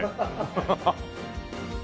ハハハハ！